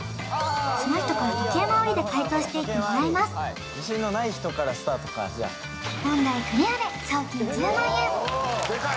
その人から時計回りで解答していってもらいます問題クリアで賞金１０万円デカい！